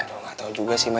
aduh nggak tau juga sih ma